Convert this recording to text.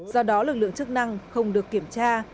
do đó lực lượng chức năng không được kiểm tra